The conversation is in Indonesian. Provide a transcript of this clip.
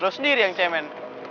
lo sendiri yang cemen